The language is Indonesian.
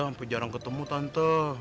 sampai jarang ketemu tante